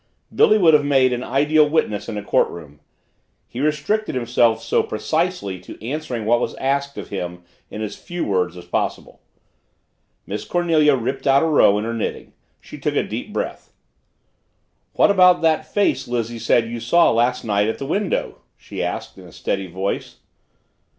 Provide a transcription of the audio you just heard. Billy would have made an ideal witness in a courtroom. He restricted himself so precisely to answering what was asked of him in as few words as possible. Miss Cornelia ripped out a row in her knitting. She took a deep breath. "What about that face Lizzie said you saw last night at the window?" she asked in a steady voice.